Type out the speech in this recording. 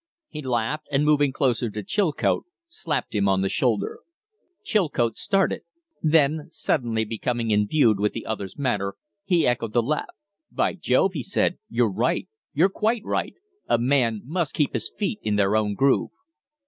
He laughed, and, moving closer to Chilcote, slapped him on the shoulder. Chilcote started; then, suddenly becoming imbued with the other's manner, he echoed the laugh. "By Jove!" he said, "you're right! You're quite right! A man must keep his feet in their own groove."